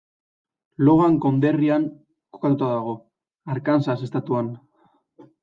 Logan konderrian kokatuta dago, Arkansas estatuan.